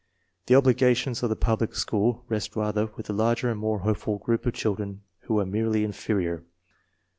The obligations of the public school rest rather with the larger and more hopeful group of children who are merely inferior.